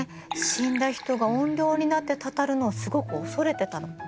死んだ人が怨霊になってたたるのをすごく恐れてたの。